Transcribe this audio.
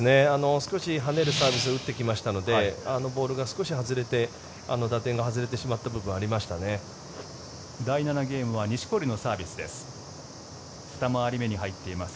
少し跳ねるサービスを打ってきましたのでボールが少し外れて打点が外れてしまった部分がありますね。